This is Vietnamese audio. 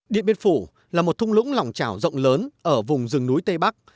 điện biên phủ là một thung lũng lòng trào rộng lớn ở vùng rừng núi tây bắc